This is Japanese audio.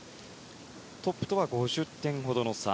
トップとは５０点ほどの差。